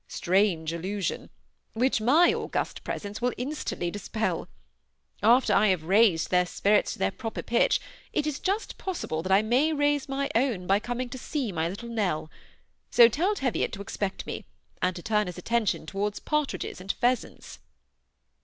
Strange illu sion I whidb my august presence will instantly dispel. After I have raised their spirits to their proper pitch, it is just pofisihle that I may raise my own, by coming to see my little NeU ; 90 tell Teviot to expect me, and to turn his attention towards partridges and pheasants.'